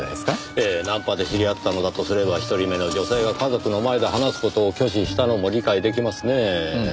ええナンパで知り合ったのだとすれば一人目の女性が家族の前で話す事を拒否したのも理解出来ますねぇ。